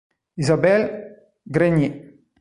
Isabelle Grenier